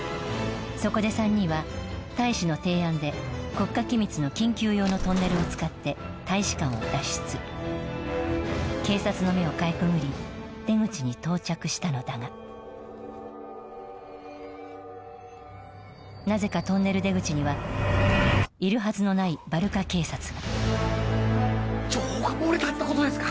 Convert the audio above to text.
そこで３人は大使の提案で国家機密の緊急用のトンネルを使って大使館を脱出警察の目をかいくぐり出口に到着したのだがなぜかトンネル出口にはいるはずのないバルカ警察が情報が漏れたってことですか？